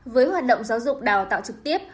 với hoạt động giáo dục đào tạo trực tiếp